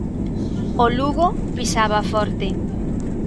O Lugo pisaba forte.